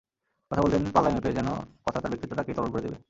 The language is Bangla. কথা বলতেন পাল্লায় মেপে, যেন কথা তাঁর ব্যক্তিত্বটাকেই তরল করে দেবে।